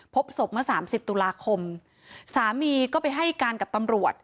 พบศพเมื่อสามสิบตุลาคมสามีก็ไปให้การกับตำรวจ